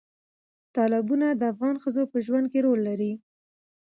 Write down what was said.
تالابونه د افغان ښځو په ژوند کې رول لري.